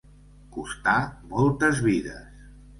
Costar moltes vides.